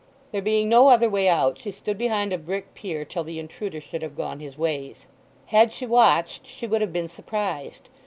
There being no other way out she stood behind a brick pier till the intruder should have gone his ways. Had she watched she would have been surprised.